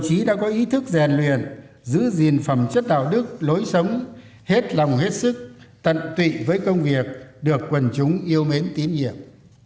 tổ chức đã có ý thức rèn luyện giữ gìn phẩm chất đạo đức lối sống hết lòng hết sức tận tụy với công việc được quần chúng yêu mến tín nhiệm